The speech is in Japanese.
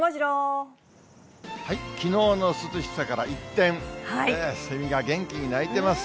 きのうの涼しさから一転、セミが元気に鳴いています。